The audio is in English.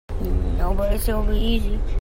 Nobody said it would be easy.